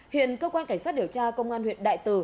hiện cơ quan cảnh sát điều tra công an huyện đại từ